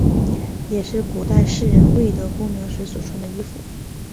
也是古代士人未得功名时所穿衣服。